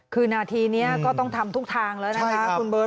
คือนาทีนี้ก็ต้องทำทุกทางแล้วนะคะคุณเบิร์